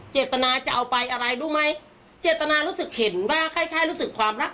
เจตนาจะเอาไปอะไรรู้ไหมเจตนารู้สึกเห็นว่าคล้ายคล้ายรู้สึกความรัก